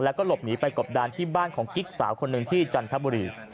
แล้วก็หลบหนีไปกบดานที่บ้านของกิ๊กสาวคนหนึ่งที่จันทบุรี